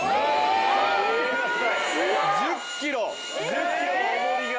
１０キロの重りが。